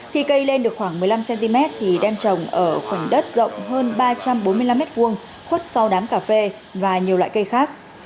khi cây lên được khoảng một mươi năm cm thì đem trồng ở phần đất rộng hơn ba trăm bốn mươi năm m hai khuất sau đám cà phê và nhiều loại cây khác